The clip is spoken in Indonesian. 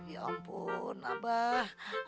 ya ampun abah